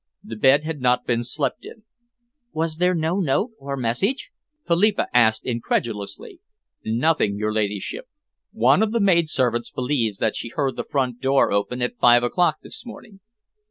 The bed had not been slept in." "Was there no note or message?" Philippa asked incredulously. "Nothing, your ladyship. One of the maid servants believes that she heard the front door open at five o'clock this morning."